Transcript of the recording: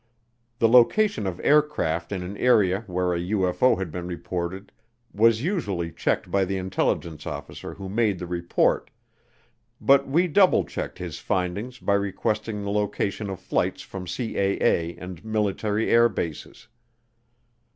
The location of aircraft in an area where a UFO had been reported was usually checked by the intelligence officer who made the report, but we double checked his findings by requesting the location of flights from CAA and military air bases.